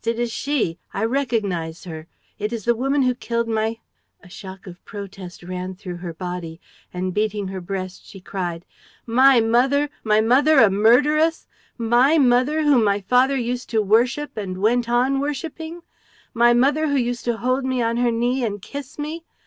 "It is she I recognize her it is the woman who killed my " A shock of protest ran through her body; and, beating her breast, she cried: "My mother! My mother a murderess! My mother, whom my father used to worship and went on worshiping! My mother, who used to hold me on her knee and kiss me!